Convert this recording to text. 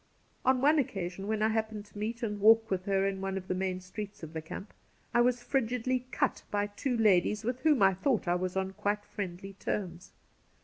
Oh one occasion when I happened to meet and walk with her in one of the main streets of the camp, I was frigidly cut by two ladies with whom I thought I was on quite friendly terms.